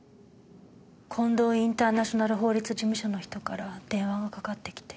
近藤インターナショナル法律事務所の人から電話がかかってきて。